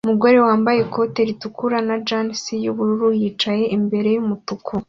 Umugore wambaye ikoti ritukura na jans yubururu yicaye imbere yumutuku